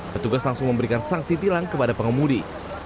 petugas langsung memberikan sanksi tilang kepada pengemudi